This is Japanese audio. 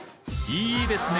いいですね